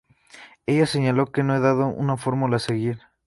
Ella señaló que ""no he dado una fórmula a seguir.